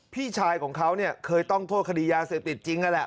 พี่ชายของเขาเนี่ยเคยต้องโทษคดียาเสพติดจริงนั่นแหละ